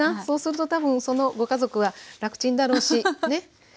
そうすると多分そのご家族は楽ちんだろうしね。